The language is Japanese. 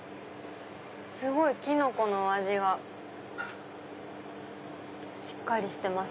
すごいキノコのお味がしっかりしてます。